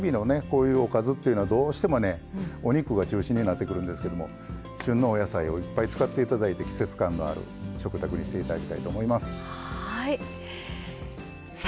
こういうおかずっていうのはどうしてもねお肉が中心になってくるんですけども旬のお野菜をいっぱい使っていただいて季節感のある食卓にしていただきたいと思います。